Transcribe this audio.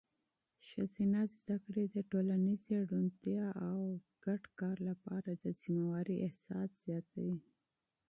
ښځینه تعلیم د ټولنیزې روڼتیا او د ګډ کار لپاره د مسؤلیت احساس زیاتوي.